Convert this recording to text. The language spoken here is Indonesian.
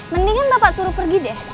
mendingan bapak suruh pergi deh